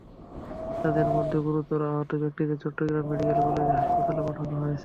তাঁদের মধ্যে গুরুতর আহত ব্যক্তিদের চট্টগ্রাম মেডিকেল কলেজ হাসপাতালে পাঠানো হয়েছে।